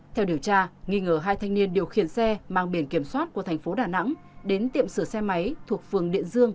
theo điều tra nghi ngờ hai thanh niên điều khiển xe mang biển kiểm soát của thành phố đà nẵng đến tiệm sửa xe máy thuộc phường điện dương